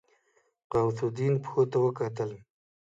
غوث الدين پښو ته وکتل.